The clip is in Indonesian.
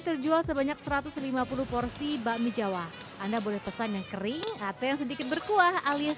terjual sebanyak satu ratus lima puluh porsi bakmi jawa anda boleh pesan yang kering atau yang sedikit berkuah alias